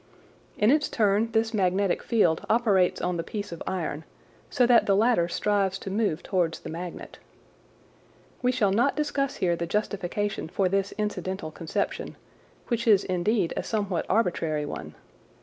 In its turn this magnetic field operates on the piece of iron, so that the latter strives to move towards the magnet. We shall not discuss here the justification for this incidental conception, which is indeed a somewhat arbitrary one.